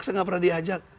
saya tidak pernah diajak